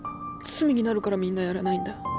罪になるからみんなやらないんだ。